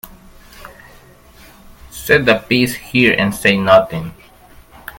Set the piece here and say nothing.